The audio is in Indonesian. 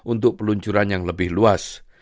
untuk peluncuran yang lebih luas